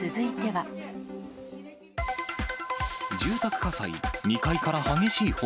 住宅火災、２階から激しい炎。